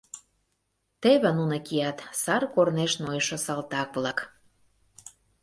"Теве нуно кият, сар корнеш нойышо салтак-влак.